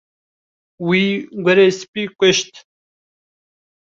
Wî gurê spî kuşt.